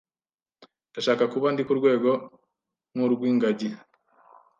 Ndashaka kuba ndi ku rwego nk’urw’Ingagi